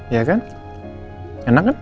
ya kan enak kan